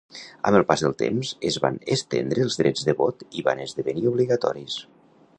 Amb el pas del temps es van estendre els drets de vot i van esdevenir obligatoris.